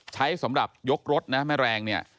ใช้สำหรับยกรถนะแม่แรงเนี่ย